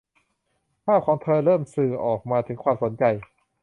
ภาพของเธอเริ่มสื่อออกมาถึงความสนใจ